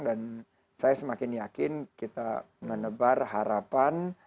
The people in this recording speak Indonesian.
dan saya semakin yakin kita menebar harapan